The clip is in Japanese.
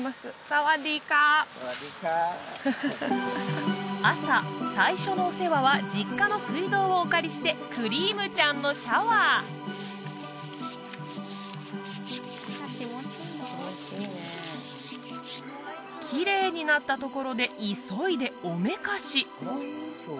サワディーカーサワディーカー朝最初のお世話は実家の水道をお借りしてクリームちゃんのシャワーきれいになったところで急いでおめかし